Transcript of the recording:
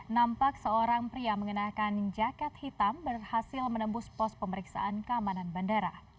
nampak seorang pria mengenakan jaket hitam berhasil menembus pos pemeriksaan keamanan bandara